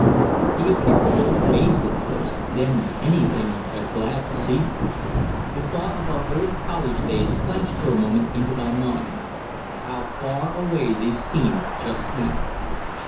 He appeared a little dazed at first, then anything but glad to see me. The thought of our old college days flashed for a moment into my mind. How far away they seemed just now.